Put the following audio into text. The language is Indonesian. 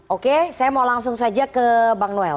oke saya mau langsung saja ke bang noel